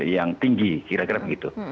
yang tinggi kira kira begitu